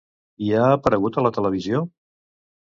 I ha aparegut a la televisió?